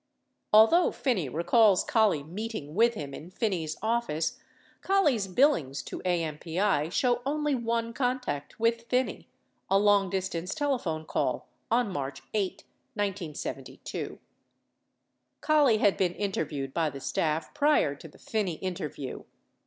Although Phinney recalls Collie meeting with him in Phinney's office, Collie's billings to AMPI show only one contact Avith Phinney, a long distance telephone call on March 8, 1972. Collie had been interviewed by the staff prior to the Phinney inter view.